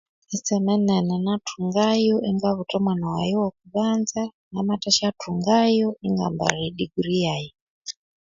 Etseme nene nathungayo ingabutha omwana wayi owokubanza namathasyathungayo ingambalha e diguri yayi